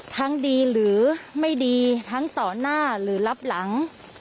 ทั้งดีหรือไม่ดีทั้งต่อหน้าหรือรับหลัง